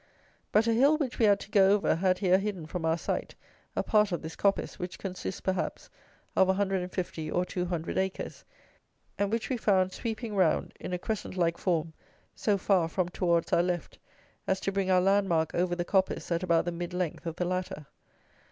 But a hill which we had to go over had here hidden from our sight a part of this "coppice," which consists, perhaps, of 150 or 200 acres, and which we found sweeping round, in a crescent like form so far, from towards our left, as to bring our land mark over the coppice at about the mid length of the latter.